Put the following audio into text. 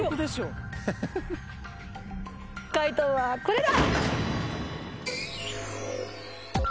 解答はこれだ！